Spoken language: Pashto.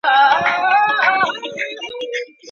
د نویو ژبو زده کړه د لیکلو پرته ممکنه نه ده.